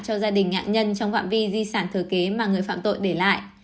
cho gia đình nạn nhân trong phạm vi di sản thừa kế mà người phạm tội để lại